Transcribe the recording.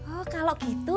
oh kalau gitu